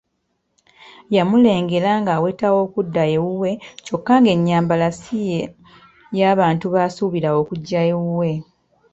Yamulengera nga aweta okudda ewuwe kyokka ng'ennyambala ye si ye y'abantu basuubira okujja ewuwe.